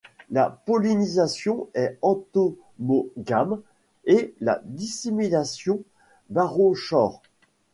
La pollinisation est entomogame et la dissémination barochore.